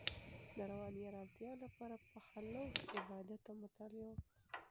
د رواني ارامتیا لپاره په خلوت کې عبادت او مطالعه وکړئ.